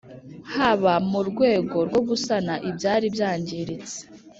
haba mu rwego rwo gusana ibyari byangiritse,